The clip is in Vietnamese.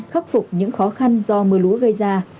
khắc phục những khó khăn do mưa lũ gây ra